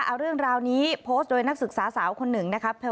เอาเรื่องราวนี้โพสต์โดยนักศึกษาสาวคนหนึ่งนะครับ